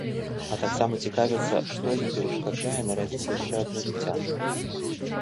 А таксама цікавяцца, што ім перашкаджае нарадзіць яшчэ адно дзіця?